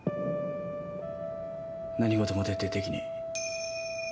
何事も徹底的に。